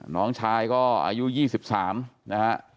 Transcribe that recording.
น้องชายก็อายุ๒๓นะฮะ